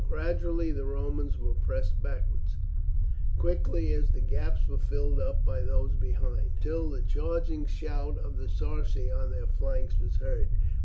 Gradually the Romans were pressed backwards, quickly as the gaps were filled up by those behind, until the charging shout of the Sarci on their flank was heard.